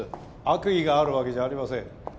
悪意があるわけじゃありません。